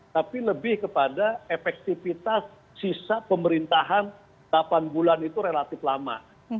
tapi lebih kepada efektivitas sisa pemerintahan delapan bulan itu relatif lama